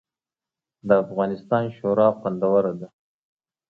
د افغانستان شوروا خوندوره ده